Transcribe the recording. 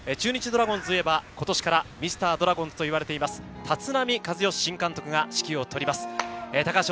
中日ドラゴンズといえば、今年からミスタードラゴンズといわれています、立浪和義新監督が指揮をとります。